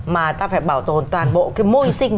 mà ta phải bảo tồn toàn bộ cái môi sinh